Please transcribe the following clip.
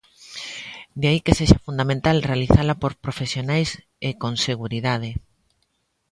De aí que sexa fundamental realizala por profesionais e con seguridade.